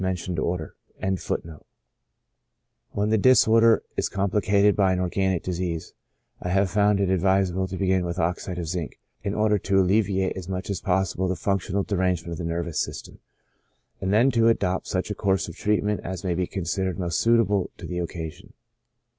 * When the disorder is complicated by an organic disease, I have found it ad visable to begin with oxide of zinc, in order to alleviate as much as possible the functional derangement of the nervous system, and then to adopt such a course of treatment as may be considered most suitable to the occasion.